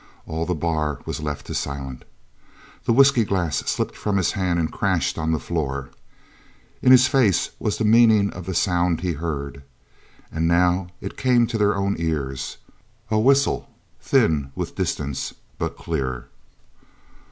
All the bar was left to Silent. The whisky glass slipped from his hand and crashed on the floor. In his face was the meaning of the sound he heard, and now it came to their own ears a whistle thin with distance, but clear.